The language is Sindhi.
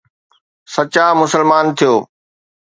سچا مسلمان ٿيو.